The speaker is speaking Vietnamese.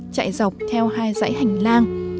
chạy dọc theo hai dãy hành lang